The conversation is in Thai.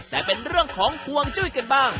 แต่เป็นเรื่องของห่วงจุ้ยกันบ้าง